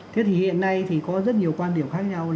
thế thì hiện nay thì có rất nhiều quan điểm khác nhau